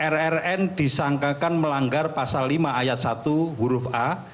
rrn disangkakan melanggar pasal lima ayat satu huruf a